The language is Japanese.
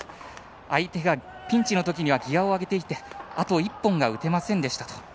相手がピンチのときにはギヤを上げてきてあと１本が打てませんでしたと。